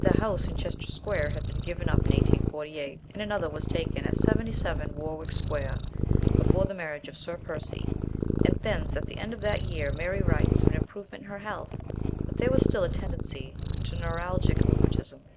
The house in Chester Square had been given up in 1848, and another was taken at 77, Warwick Square, before the marriage of Sir Percy, and thence at the end of that year Mary writes of an improvement in her health, but there was still a tendency to neuralgic rheumatism.